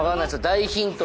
大ヒントに。